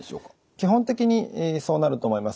基本的にそうなると思います。